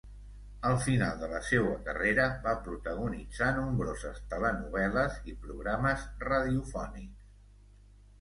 Al final de la seua carrera va protagonitzar nombroses telenovel·les i programes radiofònics.